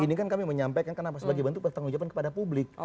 ini kan kami menyampaikan kenapa sebagai bentuk pertanggung jawaban kepada publik